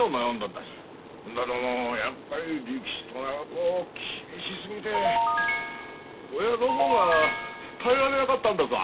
だどもやっぱり力士となると厳しすぎて親の方が耐えられなかったんですわ。